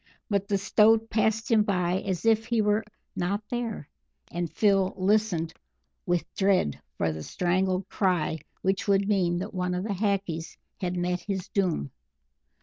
But the Stoat passed by him as if he were not there, and Phil listened with dread for the strangled cry which would mean that one of the Hackees had met his doom.